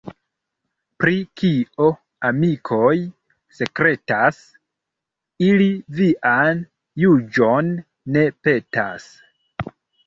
Pri kio amikoj sekretas, ili vian juĝon ne petas.